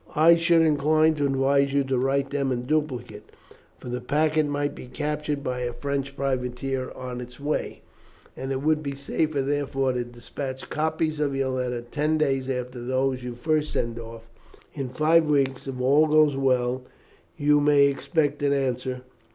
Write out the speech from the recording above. "I should incline to advise you to write them in duplicate, for the packet might be captured by a French privateer on its way, and it would be safer therefore to despatch copies of your letters ten days after those you first send off. In five weeks, if all goes well, you may expect an answer.